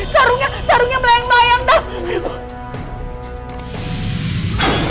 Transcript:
sarungnya sarungnya melayang layang dam